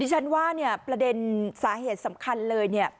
ฉันว่าเนี่ยประเด็นสาเหตุสำคัญเลยเนี่ย